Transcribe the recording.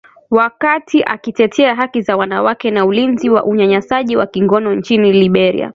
wakati akitetea haki za wanawake na ulinzi wa unyanyasaji wa kingono nchini Liberia